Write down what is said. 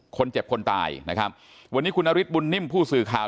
คนเจ็บคนตายนะครับวันนี้คุณนฤทธบุญนิ่มผู้สื่อข่าว